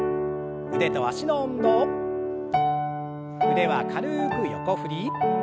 腕は軽く横振り。